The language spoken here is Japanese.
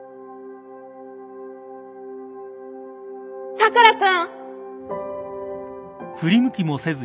佐倉君！